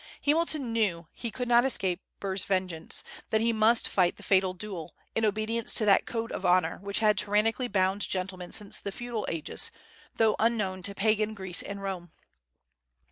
Hamilton knew he could not escape Burr's vengeance; that he must fight the fatal duel, in obedience to that "code of honor" which had tyrannically bound gentlemen since the feudal ages, though unknown to Pagan Greece and Rome.